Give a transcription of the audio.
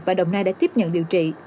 và đồng nai đã tiếp nhận điều chỉnh